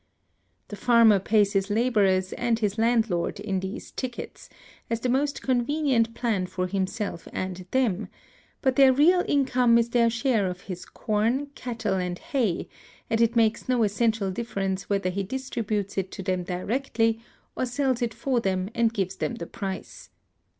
The farmer pays his laborers and his landlord in these tickets, as the most convenient plan for himself and them; but their real income is their share of his corn, cattle, and hay, and it makes no essential difference whether he distributes it to them directly, or sells it for them and gives them the price.